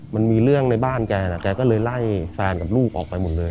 มันมีเรื่องในบ้านแกนะแกก็เลยไล่แฟนกับลูกออกไปหมดเลย